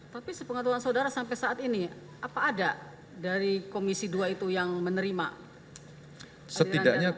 tapi sepengetahuan saudara sampai saat ini apa ada dari komisi dua itu yang menerima aliran